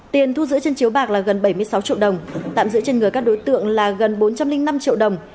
tiền thu giữ trên chiếu bạc là gần bảy mươi sáu triệu đồng tạm giữ trên người các đối tượng là gần bốn trăm linh năm triệu đồng